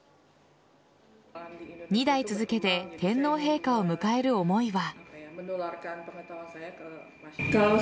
２代続けて天皇陛下を迎える思いは。